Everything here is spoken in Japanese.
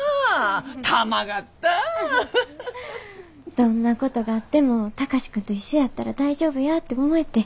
どんなことがあっても貴司君と一緒やったら大丈夫やて思えてん。